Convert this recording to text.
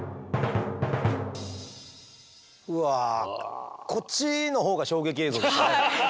うわこっちのほうが衝撃映像でしたね。